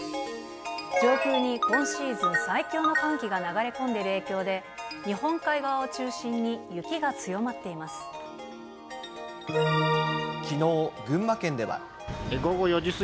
上空に今シーズン最強の寒気が流れ込んでいる影響で、日本海側を中心に雪が強まっています。